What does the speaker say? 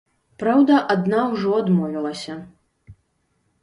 Праўда, адна ўжо адмовілася.